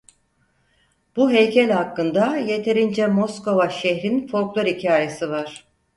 Bu heykel hakkında yeterince Moskova şehrin folklor hikâyesi var.